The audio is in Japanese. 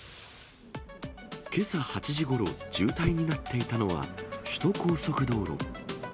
けさ８時ごろ、渋滞になっていたのは、首都高速道路。